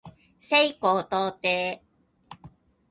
西高東低